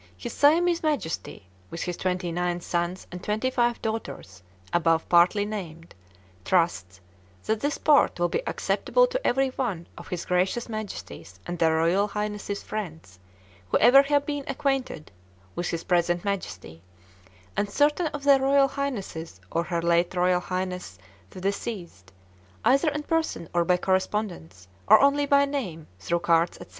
"His Siamese Majesty, with his 29 sons, and 25 daughters above partly named, trusts that this part will be acceptable to every one of His Gracious Majesty's and their Royal Highnesses' friends who ever have been acquainted with his present Majesty, and certain of Their Royal Highnesses or Her late Royal Highness the deceased, either in person or by correspondence, or only by name through cards &c.